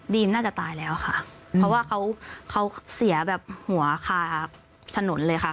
น่าจะตายแล้วค่ะเพราะว่าเขาเขาเสียแบบหัวคาถนนเลยค่ะ